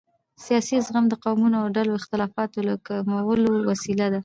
سیاسي زغم د قومونو او ډلو د اختلافاتو د کمولو وسیله ده